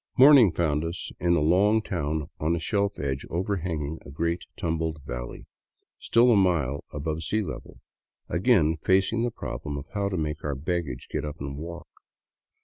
Morning found us in a long town on a shelf edge overhanging a great tumbled valley, still a mile above sea level, again facing the problem of how to make our baggage get up and walk.